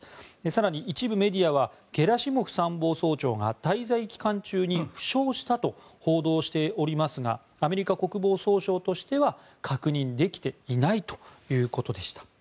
更に、一部メディアはゲラシモフ参謀総長が滞在期間中に負傷したと報道しておりますがアメリカ国防総省としては確認できていないということでした。